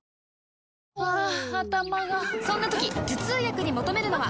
ハァ頭がそんな時頭痛薬に求めるのは？